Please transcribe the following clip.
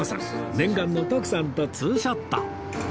念願の徳さんとツーショット